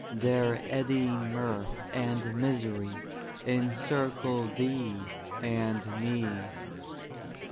Their eddying mirth and misery Encircle thee and me.